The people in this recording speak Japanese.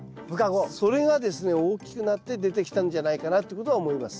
それがですね大きくなって出てきたんじゃないかなってことは思います。